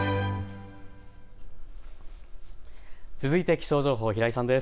気象情報、平井さんです。